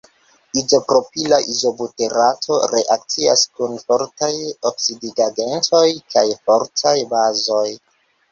Izopropila izobuterato reakcias kun fortaj oksidigagentoj kaj fortaj bazoj.